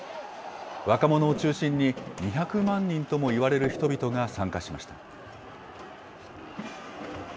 若者を中心に２００万人ともいわれる人々が参加しました。